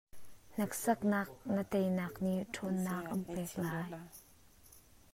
Hneksaknak na tei nak nih ṭhawnnak an pek lai.